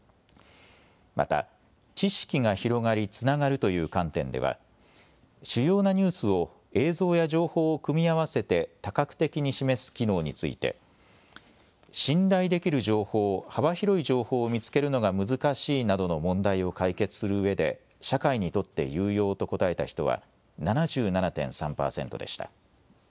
また知識が広がり、つながるという観点では主要なニュースを映像や情報を組み合わせて多角的に示す機能について信頼できる情報・幅広い情報を見つけるのが難しいなどの問題を解決するうえで社会にとって有用と答えた人は７７．３％でした。